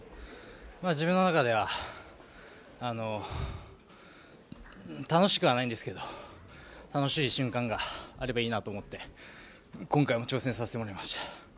自分の中では楽しくはないんですけど楽しい瞬間があればいいなと思って今回も挑戦させてもらいました。